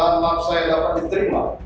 dan maaf saya dapat diterima